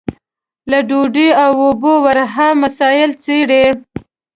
له ډوډۍ او اوبو ورها مسايل څېړي.